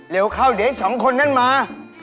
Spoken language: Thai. เร็วเข้าเดี๋ยวสองคนนั้นมา